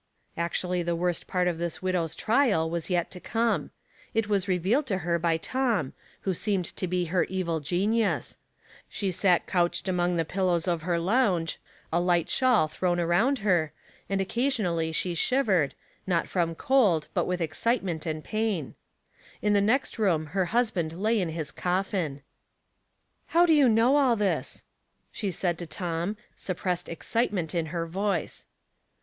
Actually the worst part of this widow's trial was yet to come. It was revealed to her by Tom, who seemed to be her evil genius ; she sat crouched among the pillows of her lounge, a light shawl thrown around ler, and occasionally Bhe shivered, not from cold, but with excitement A Discussion Closed, 299 and pain. In the next room her husband lay in his coffin. "How do you know all this?" she said to Tom, suppressed excitement in her voice.